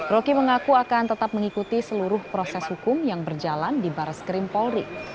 roky mengaku akan tetap mengikuti seluruh proses hukum yang berjalan di barres krim polri